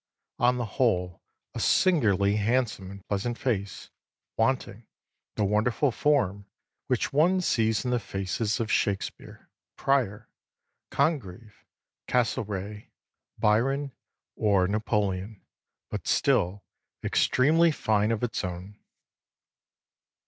On the whole a singularly handsome and pleasant face, wanting the wonderful form which one sees in the faces of Shakespeare, Prior, Congreve, Castlereagh, Byron, or Napoleon, but still extremely fine of its own."